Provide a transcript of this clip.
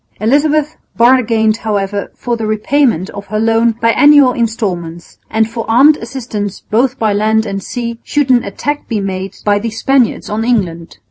Elizabeth bargained however for the repayment of her loan by annual installments, and for armed assistance both by land and sea should an attack be made by the Spaniards on England.